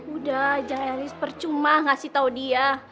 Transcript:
udah jangan ya ini percuma ngasih tau dia